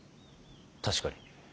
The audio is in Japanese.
確かに。